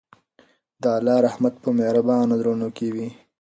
د الله رحمت په مهربانو زړونو کې وي.